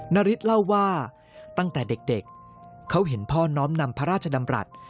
นาริสเล่าว่าตั้งแต่เด็กเขาเห็นพ่อน้อมนำพระราชดำรัฐ